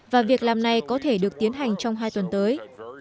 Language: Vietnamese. và việc làm này có thể được tiến hành trong hai tuần tới